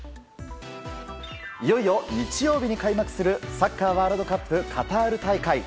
いよいよ日曜日に開幕するサッカーワールドカップカタール大会。